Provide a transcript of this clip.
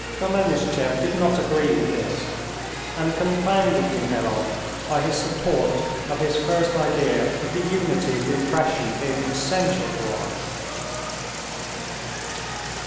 Golenishtchev did not agree with this, and confounded Mihailov by his support of his first idea of the unity of the impression being essential to art.